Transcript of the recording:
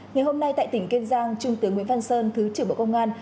ngày hôm nay tại tỉnh kiên giang trung tướng nguyễn văn sơn thứ trưởng bộ công an